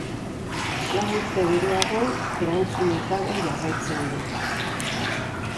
Lau urte geroago, erantzunik gabe jarraitzen du.